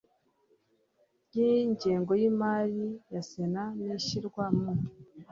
ry ingengo y imari ya Sena n ishyirwa mu